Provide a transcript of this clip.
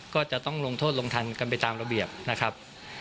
ก็จะต้องลงโทษลงทันกันไปตามระเบียบนะครับ